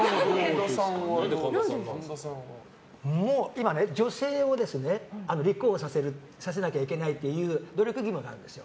今、女性を立候補させなきゃいけないという努力義務があるんです。